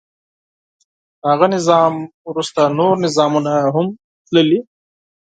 له هغه نظام وروسته نور نظامونه هم تللي.